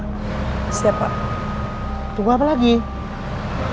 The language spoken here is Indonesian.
justru saya kemarin mau mengingatkan kamu untuk segera kembali bekerja dan layanin mereka semua